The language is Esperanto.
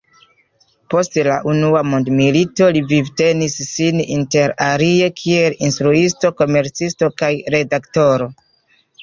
Post la Unua Mondmilito li vivtenis sin interalie kiel instruisto, komercisto kaj redaktoro.